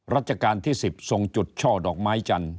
ราชการที่๑๐ทรงจุดช่อดอกไม้จันทร์